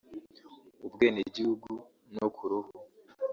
ubwenegihugu no ku ruhu